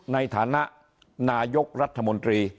ในฐานะนายกรัฐมนตรี